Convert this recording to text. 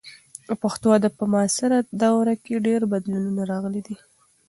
د پښتو ادب په معاصره دوره کې ډېر بدلونونه راغلي دي.